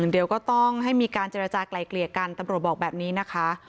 เดี๋ยวก็ต้องให้มีการเจรจากลายเกลี่ยกันตำรวจบอกแบบนี้นะคะ